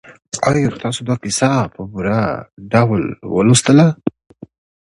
آیا تاسو دا کیسه په پوره ډول ولوستله؟